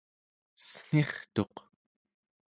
cen̄irtuq